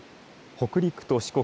北陸と四国